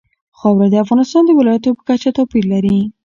خاوره د افغانستان د ولایاتو په کچه توپیر لري.